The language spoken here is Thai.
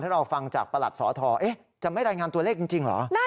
เราฟังจากประหลัดสทจะไม่รายงานตัวเลขจริงเหรอ